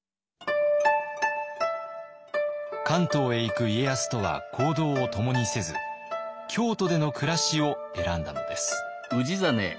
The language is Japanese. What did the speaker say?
関東へ行く家康とは行動を共にせず京都での暮らしを選んだのです。